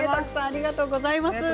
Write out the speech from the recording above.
ありがとうございます。